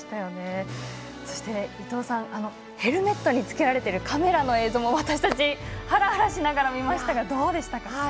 そして、伊藤さんヘルメットにつけられているカメラの映像も私たちハラハラしながら見ましたがどうでしたか？